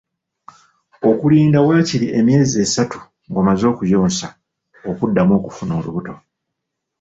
Okulinda waakiri emyezi esatu ng'omaze okuyonsa, okuddamu okufuna olubuto.